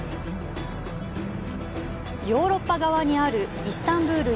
ヨーロッパ側にあるイスタンブル